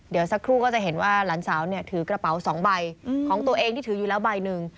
เดี๋ยวสักครู่ก็จะเห็นว่าหลานสาวถือกระเป๋า๒ใบของตัวเองที่ถืออยู่แล้วใบหนึ่ง